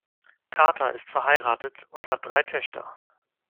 Carter ist verheiratet und hat drei Töchter.